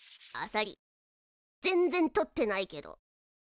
あさり全然採ってないけど。